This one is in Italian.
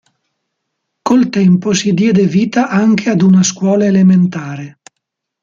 Col tempo si diede vita anche ad una scuola elementare.